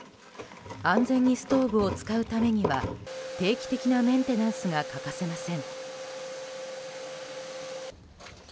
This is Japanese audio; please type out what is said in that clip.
安全にストーブを使うためには定期的なメンテナンスが欠かせません。